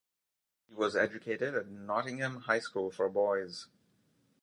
He was educated at Nottingham High School for Boys.